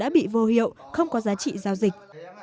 bị vô hiệu không có giá trị giao dịch